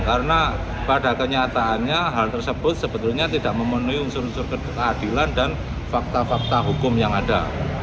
karena pada kenyataannya hal tersebut sebetulnya tidak memenuhi unsur unsur keadilan dan fakta fakta hukum yang ada